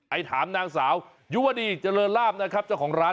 ถามนางสาวยุวดีเจริญลาบนะครับเจ้าของร้าน